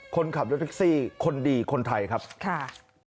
คนขับรถแท็กซี่คนดีคนไทยครับค่ะ